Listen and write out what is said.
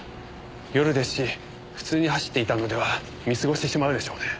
夜ですし普通に走っていたのでは見過ごしてしまうでしょうね。